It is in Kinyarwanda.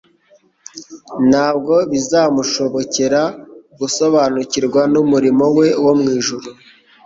ntabwo bizamushobokera gusobanukirwa n'umurimo we wo mu ijuru.